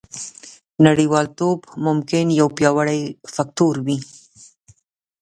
نړیوالتوب ممکن یو پیاوړی فکتور وي